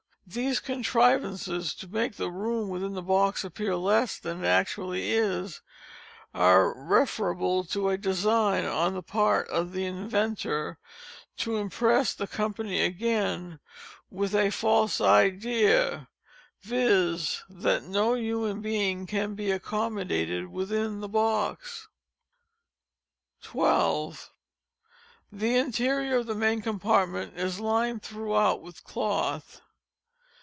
These contrivances to make the room within the box appear less than it actually is, are referrible to a design on the part of the inventor, to impress the company again with a false idea, viz. that no human being can be accommodated within the box. 12. The interior of the main compartment is lined throughout with _cloth.